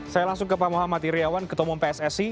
saya langsung ke pak muhammad iryawan ketemu pssi